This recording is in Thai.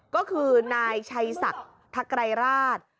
ก็คือนายชัยสัตว์ทักแลราช